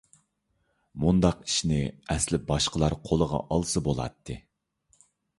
مۇنداق ئىشنى ئەسلى باشقىلار قولىغا ئالسا بولاتتى.